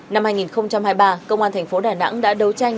năm hai nghìn hai mươi ba công an thành phố đà nẵng đã đấu tranh